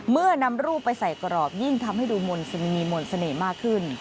เมื่อนำรูปไปใส่กรอบยิ่งทำให้ดูมนต์มีมนต์เสน่ห์มากขึ้น